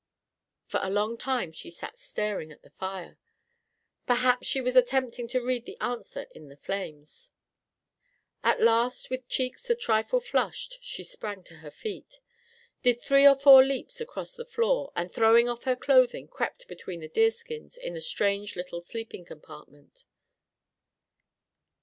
For a long time she sat staring at the fire. Perhaps she was attempting to read the answer in the flames. At last, with cheeks a trifle flushed, she sprang to her feet, did three or four leaps across the floor, and throwing off her clothing, crept between the deer skins in the strange little sleeping compartment.